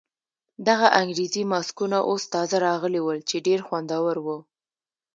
دغه انګریزي ماسکونه اوس تازه راغلي ول چې ډېر خوندور وو.